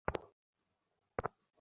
শাহিদ ভাই, এমন মেয়ে পাব কোথায় রে ভাই?